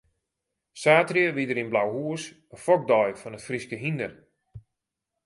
Saterdei wie der yn Blauhûs in fokdei fan it Fryske hynder.